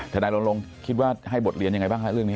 นายลงคิดว่าให้บทเรียนยังไงบ้างคะเรื่องนี้